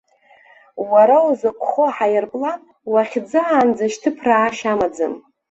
Уара узыгхо аҳаирплан, уахьӡаанӡа шьҭыԥраашьа амаӡам.